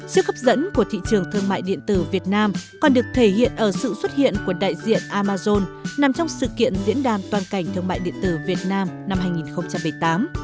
sức hấp dẫn của thị trường thương mại điện tử việt nam còn được thể hiện ở sự xuất hiện của đại diện amazon nằm trong sự kiện diễn đàn toàn cảnh thương mại điện tử việt nam năm hai nghìn một mươi tám